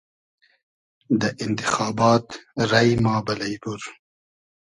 دۂ اینتیخابات رݷ ما بئلݷ بور